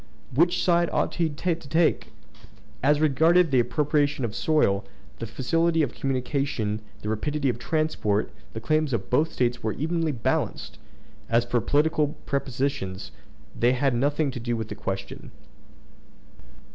Which side ought he to take? As regarded the appropriation of the soil, the facility of communication, the rapidity of transport, the claims of both States were evenly balanced. As for political prepossessions, they had nothing to do with the question.